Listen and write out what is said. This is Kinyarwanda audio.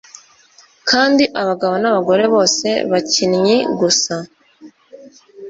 Kandi abagabo nabagore bose bakinnyi gusa